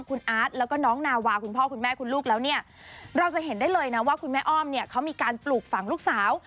คุณอาร์ตแล้วก็น้องนาวาคุณพ่อคุณแม่คุณลูกแล้วเนี่ยเราจะเห็นได้เลยนะว่าคุณแม่อ้อมเนี่ยเขามีการปลูกฝังลูกสาว